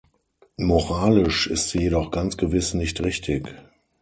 Moralisch ist sie jedoch ganz gewiss nicht richtig.